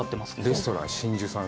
レストラン真珠さん。